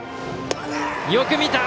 よく見た！